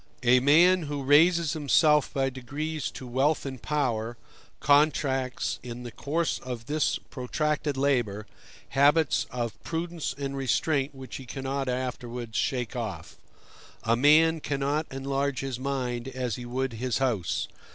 A man who raises himself by degrees to wealth and power, contracts, in the course of this protracted labor, habits of prudence and restraint which he cannot afterwards shake off. A man cannot enlarge his mind as he would his house.